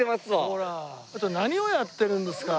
ほら何をやってるんですか？